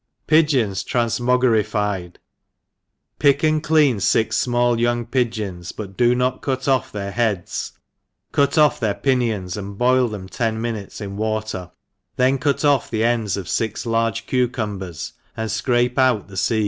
Pigeons tranfmogrtfied. PICK and clean fix fmall young pigeons, but do not cut off their heads, cut oS their pi ni9ns, and boil them ten minutes in water, then cut off the endsof iix large cucumbers and fcrape out the fec!